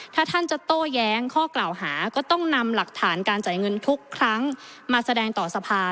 ถ้าท่านจะโต้แย้งข้อกล่าวหาก็ต้องนำหลักฐานการจ่ายเงินทุกครั้งมาแสดงต่อสภา